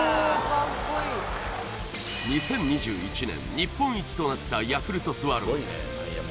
２０２１年日本一となったヤクルトスワローズ